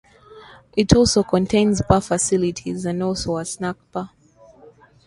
It also contains bar facilities and also a snack bar.